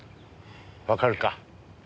わかるか？